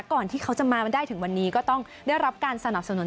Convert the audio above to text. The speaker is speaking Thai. ที่เขาจะมาได้ถึงวันนี้ก็ต้องได้รับการสนับสนุน